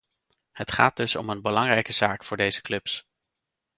Het gaat dus om een belangrijke zaak voor deze clubs.